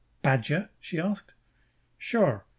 "Badger?" she asked. "Sure.